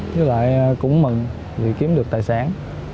chứ lại cũng mừng vì kiếm được tài sản